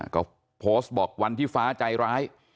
ก็โพสต์บอกวันที่ฟ้าใจร้าย